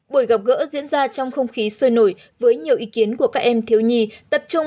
buổi gặp gỡ diễn ra trong không khí sôi nổi với nhiều ý kiến của các em thiếu nhi tập trung